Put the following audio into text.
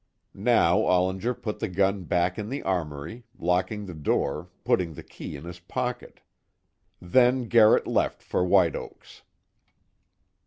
Now Ollinger put the gun back in the armory, locking the door, putting the key in his pocket. Then Garrett left for White Oaks.